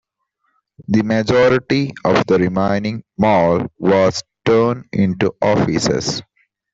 The majority of the remaining mall was turned into offices.